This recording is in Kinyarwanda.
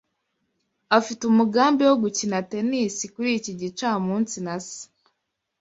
Afite umugambi wo gukina tennis kuri iki gicamunsi na se.